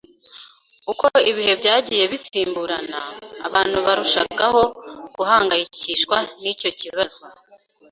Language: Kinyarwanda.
Uko ibihe byagiye bisimburana, abantu barushagaho guhangayikishwa nicyo kibazo.